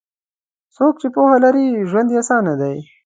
څوک چې پوهه لري، ژوند یې اسانه دی.